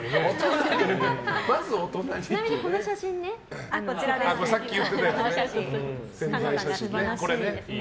ちなみに、この写真ですね。